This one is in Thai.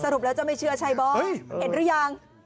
รุปแล้วจะไม่เชื่อใช่บอยเห็นหรือยัง